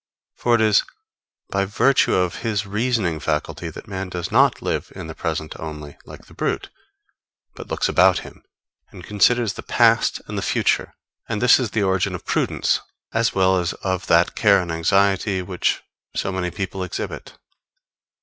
For it is by virtue of his reasoning faculty that man does not live in the present only, like the brute, but looks about him and considers the past and the future; and this is the origin of prudence, as well as of that care and anxiety which so many people exhibit.